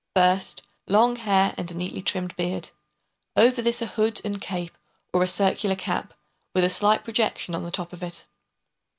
First, long hair and a neatly trimmed beard; over this a hood and cape or a circular cap, with a slight projection on the top of it.